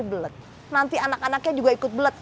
belet nanti anak anaknya juga ikut belet